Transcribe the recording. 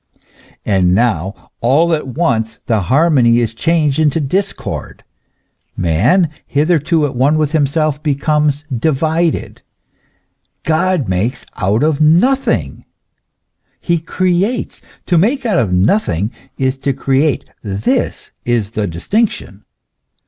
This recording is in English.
219 And now all at once the harmony is changed into discord ; man, hitherto at one with himself, becomes divided: God makes out of nothing; he creates, to make out of nothing is to create, this is the distinction.